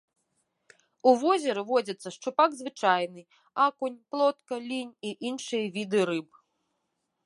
У возеры водзяцца шчупак звычайны, акунь, плотка, лінь і іншыя віды рыб.